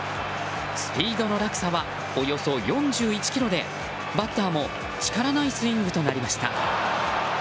スピードの落差はおよそ４１キロでバッターも力ないスイングとなりました。